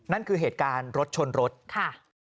นั่นคือเหตุการณ์รถชนรถค่ะ